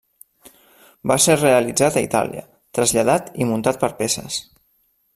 Va ser realitzat a Itàlia, traslladat i muntat per peces.